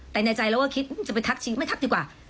แต่ในใจเราก็คิดจะไปทักชีไม่ทักดีกว่า